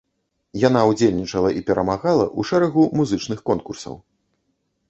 Яна ўдзельнічала і перамагала ў шэрагу музычных конкурсаў.